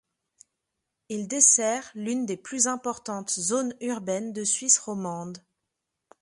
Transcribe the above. Il dessert l'une des plus importantes zones urbaines de Suisse romande.